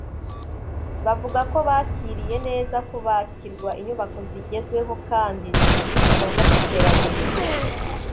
bavuga ko bakiriye neza kubakirwa inyubako zigezweho kandi zifite ibikorwa by’iterambere